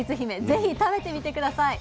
ぜひ食べてみて下さい。